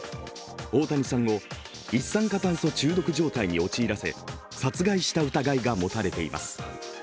大谷さんを一酸化炭素中毒状態に陥らせ殺害した疑いが持たれています。